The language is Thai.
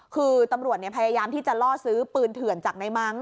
คือตำรวจพยายามที่จะล่อซื้อปืนเถื่อนจากในมั้ง